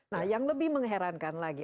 nah yang lebih mengherankan lagi